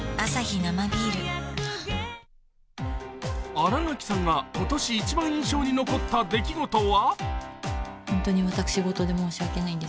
新垣さんが今年一番印象に残った出来事は？